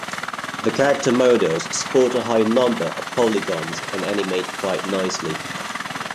The character models sport a high number of polygons and animate quite nicely.